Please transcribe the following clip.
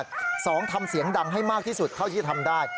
สองทำเสียงดังให้มากที่สุดเท่าที่ทำได้